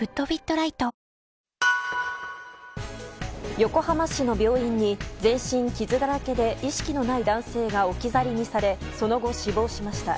横浜市の病院に全身傷だらけで意識のない男性が置き去りにされその後、死亡しました。